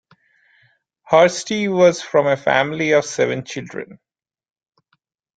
Hursti was from a family of seven children.